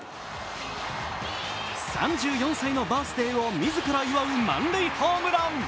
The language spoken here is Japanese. ３４歳のバースデーを自ら祝う満塁ホームラン。